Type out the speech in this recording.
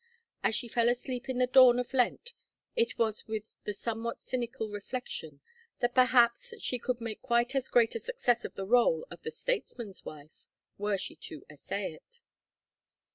As she fell asleep in the dawn of Lent it was with the somewhat cynical reflection that perhaps she could make quite as great a success of the rôle of the statesman's wife were she to essay it.